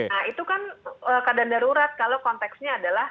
nah itu kan keadaan darurat kalau konteksnya adalah